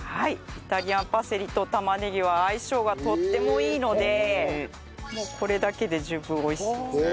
イタリアンパセリと玉ねぎは相性がとってもいいのでこれだけで十分美味しいです。